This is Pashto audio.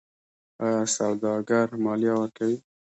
آیا سوداګر مالیه ورکوي؟